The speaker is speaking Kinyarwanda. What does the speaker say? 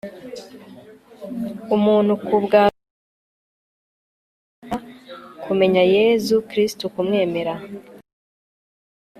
umuntu ku bwa roho mutagatifu, abyarwa na bikira mariya.kumenya yezu kristu, kumwemera